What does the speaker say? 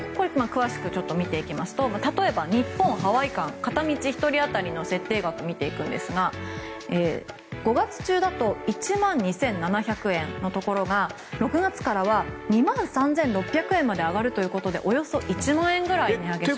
詳しく見ていきますと例えば日本ハワイ間片道１人当たりの設定額を見ていくんですが５月中だと１万２７００円のところが６月からは２万３６００円まで上がるということでおよそ１万円ぐらい値上げします。